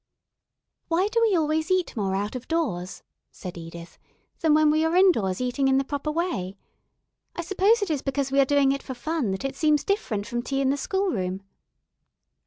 "Why do we always eat more out of doors," said Edith, "than when we are indoors eating in the proper way? I suppose it is because we are doing it for fun that it seems different from tea in the schoolroom."